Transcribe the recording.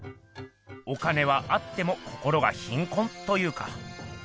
お金はあっても心が貧困というか。